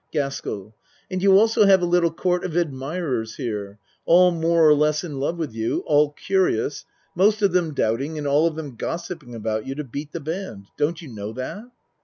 GASKELL And you also have a little court of admirers here all more or less in love with you all curious most of them doubting and all of them gossiping about you to beat the band. Don't you know that?